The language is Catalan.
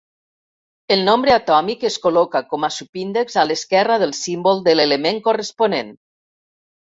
El nombre atòmic es col·loca com a subíndex a l'esquerra del símbol de l'element corresponent.